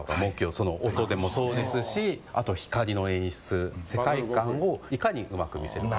その音でもそうですしあと光の演出世界観をいかにうまく見せるか。